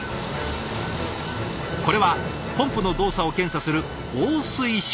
これはポンプの動作を検査する放水試験。